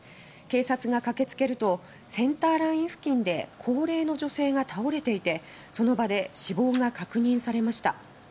警察が駆け付けるとセンターライン付近で高齢の女性が倒れていてその場で死亡が確認されました。